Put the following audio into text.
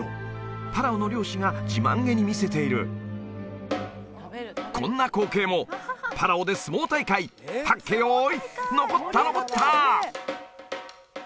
パラオの漁師が自慢げに見せているこんな光景もパラオで相撲大会はっけよーいのこったのこった！